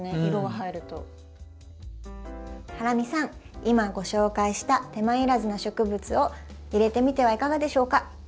今ご紹介した手間いらずな植物を入れてみてはいかがでしょうか？